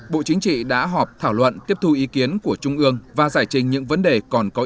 bộ chính trị đã họp thảo luận tiếp thu ý kiến của trung ương và giải trình những vấn đề còn có ý